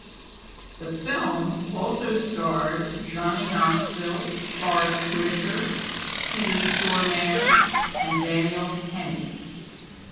The film also starred Johnny Knoxville, Forest Whitaker, Peter Stormare, and Daniel Henney.